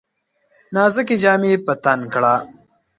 نازکي جامې په تن کړه !